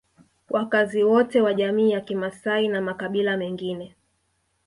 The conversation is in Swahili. Wakazi wote wa jamii ya kimasai na makabila mengine